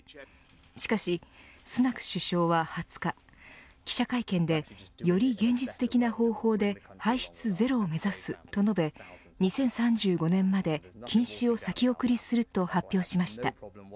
しかし、スナク首相は２０日記者会見で、より現実的な方法で排出ゼロを目指すと述べ２０３５年まで禁止を先送りすると発表しました。